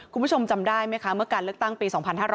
คุณผู้ชมจำได้ไหมคะเมื่อการเลือกตั้งปี๒๕๕๙